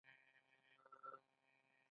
ایا ستړیا احساسوئ؟